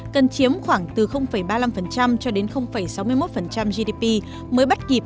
cần chiếm khoảng từ ba mươi năm cho đến sáu mươi một gdp mới bắt kịp